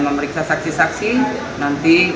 memeriksa saksi saksi nanti